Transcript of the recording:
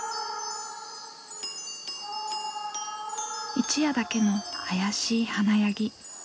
一夜だけの妖しい華やぎ。